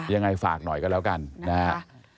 ยังไงฝากหน่อยกันแล้วกันนะฮะ